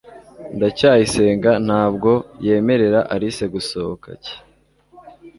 ndacyayisenga ntabwo yemerera alice gusohoka cy